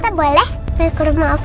jangan sampai kedengeran rosan aku